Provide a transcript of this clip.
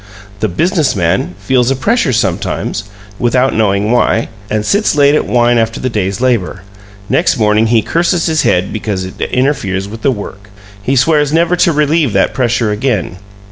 The "business man" feels a pressure sometimes, without knowing why, and sits late at wine after the day's labor; next morning he curses his head because it interferes with the work he swears never to relieve that pressure again.